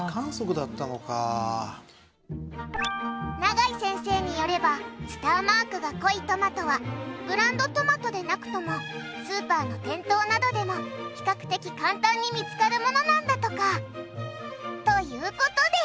永井先生によればスターマークが濃いトマトはブランドトマトでなくともスーパーの店頭などでも比較的簡単に見つかるものなんだとか。という事で。